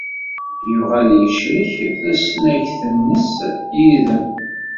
Yebɣa ad yecrek tasnagt-nnes yid-m.